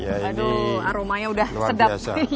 aduh aromanya udah sedap